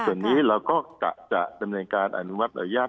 ส่วนนี้เราก็กะจะดำเนินการอนุมัติอนุญาต